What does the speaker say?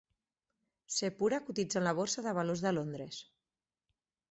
Sepura cotitza en la borsa de valors de Londres.